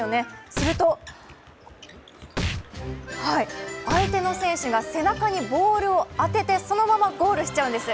するとはい、相手の選手が背中にボールを当ててそのままゴールしちゃうんです。